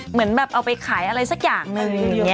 เหมือนแบบเอาไปขายอะไรสักอย่างหนึ่ง